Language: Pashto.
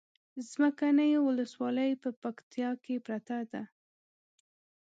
څمکنيو ولسوالي په پکتيا کې پرته ده